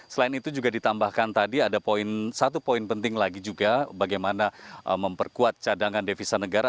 selain itu juga ditambahkan tadi ada satu poin penting lagi juga bagaimana memperkuat cadangan devisa negara